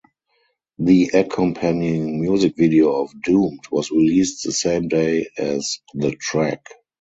The accompanying music video of "Doomed" was released the same day as the track.